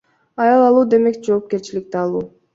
Аял алуу демек жоопкерчиликти алуу.